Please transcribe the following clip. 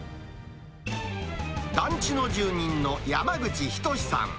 団地の住民の山口仁さん。